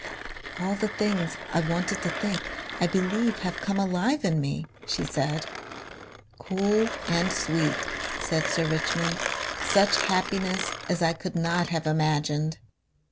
"All the things I wanted to think I believe have come alive in me," she said.... "Cool and sweet," said Sir Richmond. "Such happiness as I could not have imagined."